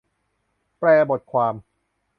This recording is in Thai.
แปลบทความ